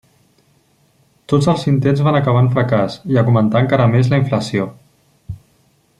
Tots els intents van acabar en fracàs, i augmentà encara més la inflació.